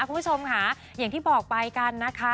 คุณผู้ชมค่ะอย่างที่บอกไปกันนะคะ